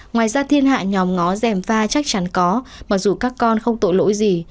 ngoài ra thiên hạ nhóm ngó dèm pha chắc chắn có mặc dù các con không tội lỗi gì